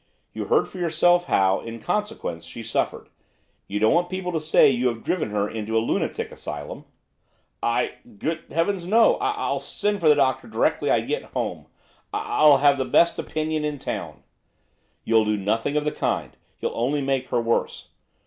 You heard for yourself how, in consequence, she suffered. You don't want people to say you have driven her into a lunatic asylum.' 'I good heavens, no! I I'll send for the doctor directly I get home, I I'll have the best opinion in town.' 'You'll do nothing of the kind, you'll only make her worse.